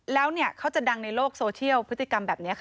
แล้วเขาจะดังในโลกโซเชียลพฤติกรรมแบบนี้ค่ะ